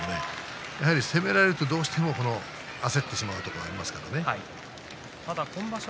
やはり攻められるとどうしても焦ってしまうところがありますからね。